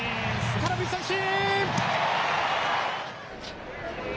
空振り三振。